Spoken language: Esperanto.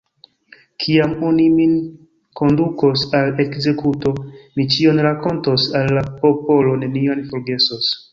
Kiam oni min kondukos al ekzekuto, mi ĉion rakontos al la popolo, nenion forgesos.